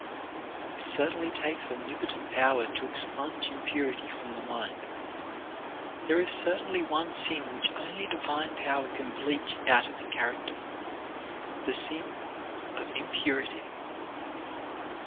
It certainly takes omnipotent power to expunge impurity from the mind. There is certainly one sin which only Divine power can bleach out of the character the sin of impurity.